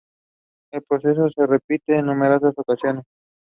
Students often take on work experience during their studies.